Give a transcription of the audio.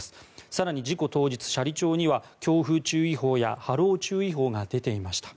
更に事故当日、斜里町には強風注意報や波浪注意報が出ていました。